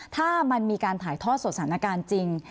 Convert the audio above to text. ถ้ามันมีการถ่ายทอดสดสถานการณ์จริง